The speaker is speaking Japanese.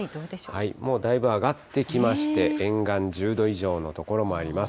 もうだいぶ上がってきまして、沿岸１０度以上の所もあります。